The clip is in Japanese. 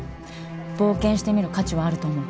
冒険してみる価値はあると思う。